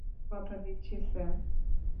কথা দিচ্ছি স্যার।